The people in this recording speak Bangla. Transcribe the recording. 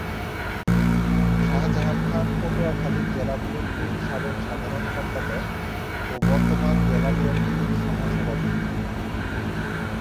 শাহজাহান খান পটুয়াখালী জেলা বিএনপি’র সাবেক সাধারণ সম্পাদক ও বর্তমান জেলা বিএনপির-সহ সভাপতি।